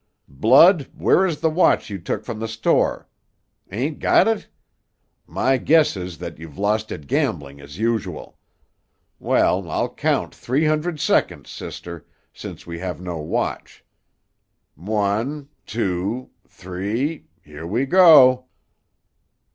Blood, where is the watch you took from the store? Hain't got it? My guess is that you've lost it gambling, as usual. Well, I'll count three hundred seconds, sister, since we have no watch. One, two, three; here we go."